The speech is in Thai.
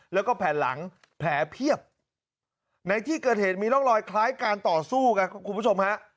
แล้วก็แผ่นหลังแผลเพียบในที่เกิดเหตุมีร่องรอยคล้ายการต่อสู้กันครับคุณผู้ชมฮะ